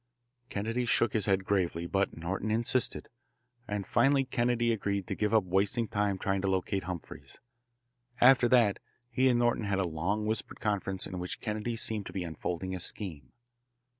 Kennedy shook his head gravely, but Norton insisted, and finally Kennedy agreed to give up wasting time trying to locate Humphreys. After that he and Norton had a long whispered conference in which Kennedy seemed to be unfolding a scheme.